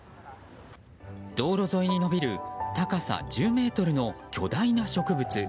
道路沿いに伸びる高さ１０ｍの巨大な植物。